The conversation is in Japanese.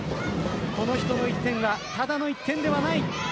この人の１点がただの１点ではない。